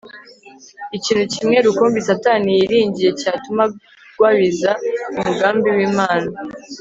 Ikintu kimwe rukumbi Satani yiringiye cyatuma agwabiza umugambi wImana